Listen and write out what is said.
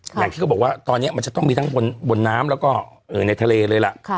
อย่างที่บอกว่าตอนนี้มันจะต้องมีทั้งบนน้ำแล้วก็ในทะเลเลยล่ะ